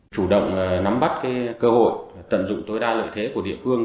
chủ động nắm bắt cơ hội tận dụng tối đa lợi thế của địa phương